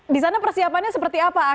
disana persiapannya seperti apa